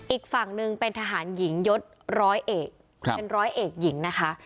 อีกฝั่งหนึ่งเป็นทหารหญิงยศร้อยเอกเป็นร้อยเอกหญิงนะคะ